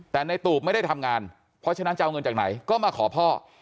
แต่ในตูบไม่ได้ทำงานเพราะฉะนั้นจะเอาเงินจากไหนก็มาขอพ่อ